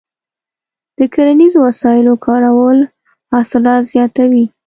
د کرنیزو وسایلو کارول حاصلات زیاتوي.